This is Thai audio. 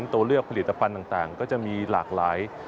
ตัวเลือกผลิตภัณฑ์ต่างก็จะมีหลากหลาย